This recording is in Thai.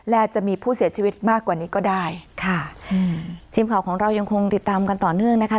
และจะมีผู้เสียชีวิตมากกว่านี้ก็ได้ค่ะอืมทีมข่าวของเรายังคงติดตามกันต่อเนื่องนะคะ